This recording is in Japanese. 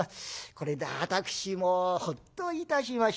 これで私もほっといたしました」。